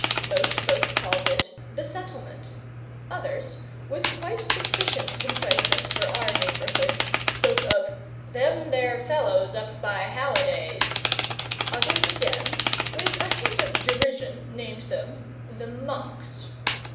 Most folk called it "The Settlement"; others, with quite sufficient conciseness for our neighbourhood, spoke of "them there fellows up by Halliday's;" others again, with a hint of derision, named them the "monks."